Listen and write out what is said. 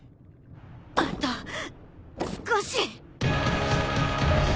あと少し。